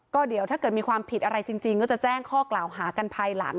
ก็เดี๋ยวถ้าเกิดมีความผิดอะไรจริงก็จะแจ้งข้อกล่าวหากันภายหลัง